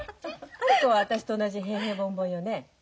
春子は私と同じ平々凡々よね？